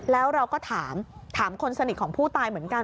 แล้วเราก็ถามถามคนสนิทของผู้ตายเหมือนกัน